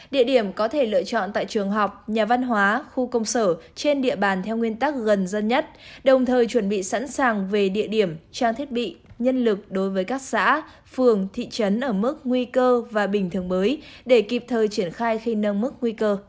địa điểm có thể lựa chọn tại trường học nhà văn hóa khu công sở trên địa bàn theo nguyên tắc gần dân nhất đồng thời chuẩn bị sẵn sàng về địa điểm trang thiết bị nhân lực đối với các xã phường thị trấn ở mức nguy cơ và bình thường mới để kịp thời triển khai khi nâng mức nguy cơ